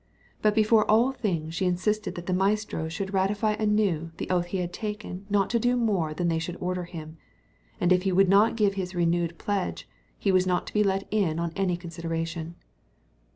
But before all things she insisted that the maestro should ratify anew the oath he had taken not to do more than they should order him; and if he would not give this renewed pledge, he was not to be let in on any consideration.